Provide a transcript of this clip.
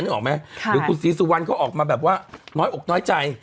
นึกออกมั้ยค่ะหรือคุณศรีสุวรรค์เขาก็ออกมาแบบว่าน้อยอกน้อยใจ